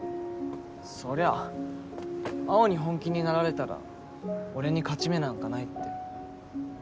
そりゃ青に本気になられたら俺に勝ち目なんかないって。